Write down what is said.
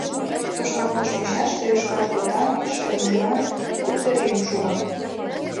Тошкалтыш мучаште йошкар потан, шем ужган кум пӧръеҥ шога.